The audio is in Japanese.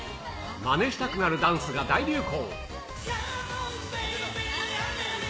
まねしたくなるダンスが大流行。